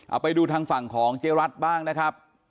เอาไปดูทางฝั่งของเจ๊รัฐบ้างนะครับ